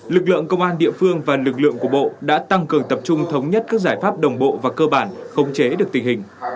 lực lượng công an địa phương và lực lượng của bộ đã tăng cường tập trung thống nhất các giải pháp đồng bộ và cơ bản khống chế được tình hình